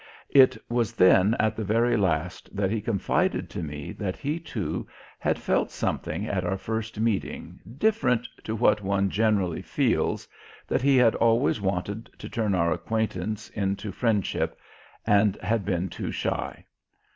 It was then at the very last that he confided to me that he, too, had felt something at our first meeting "different" to what one generally feels, that he had always wanted to turn our acquaintance into friendship and had been too shy.